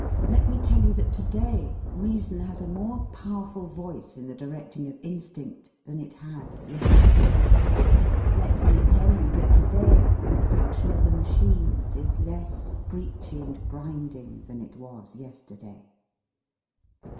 Let me tell you that to day reason has a more powerful voice in the directing of instinct than it had yesterday. Let me tell you that to day the friction of the machines is less screechy and grinding than it was yesterday.